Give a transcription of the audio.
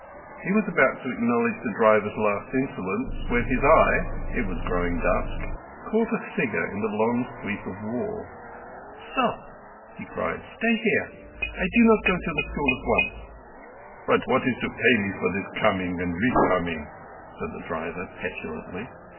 He was about to acknowledge the driver's last insolence, when his eye—it was growing dusk—caught a figure sitting by one of the white plaster gate pillars in the long sweep of wall. "Stop!" he cried. "Stay here. I do not go to the school at once." "But what is to pay me for this coming and re coming?" said the driver petulantly.